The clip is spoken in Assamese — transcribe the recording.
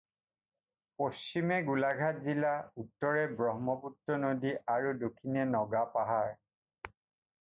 পশ্চিমে গোলাঘাট জিলা, উত্তৰে ব্ৰহ্মপুত্ৰ নদী আৰু দক্ষিণে নগা পাহাৰ।